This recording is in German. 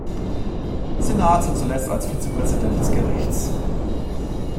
Senats und zuletzt als Vizepräsident des Gerichts.